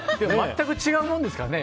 全く違うものですからね